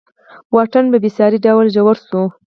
واټن په بېساري ډول ژور شوی و.